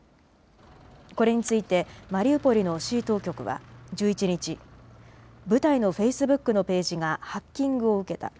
これについてマリウポリの市当局は１１日、部隊のフェイスブックのページがハッキングを受けた。